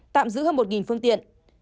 tạm giữ hơn một phương tiện